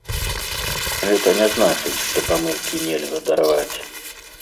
Гэта не значыць, што памылкі нельга дараваць.